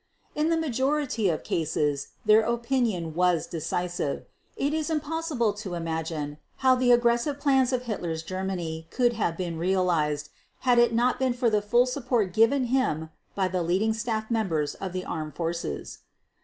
In the majority of cases their opinion was decisive. It is impossible to imagine how the aggressive plans of Hitler's Germany could have been realized had it not been for the full support given him by the leading staff members of the armed forces.